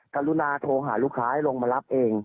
กรุณาโทรหาลูกค้าให้ลงมารับเอง